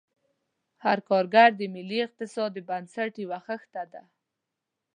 هر کارګر د ملي اقتصاد د بنسټ یوه خښته ده.